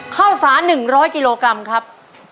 ข้าวสาร๑๐๐กิโลกรัมครับ